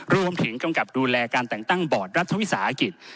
กำกับดูแลการแต่งตั้งบอร์ดรัฐวิสาหกิจ